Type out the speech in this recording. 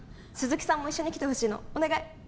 鈴木さんも一緒に来てほしいのお願い